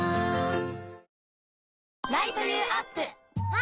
あ！